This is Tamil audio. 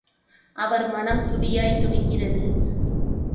அவர் மனம் துடியாய்த் துடிக்கிறது.